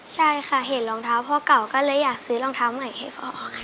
ใช่ค่ะเห็นรองเท้าพ่อเก่าก็เลยอยากซื้อรองเท้าใหม่ให้พ่อค่ะ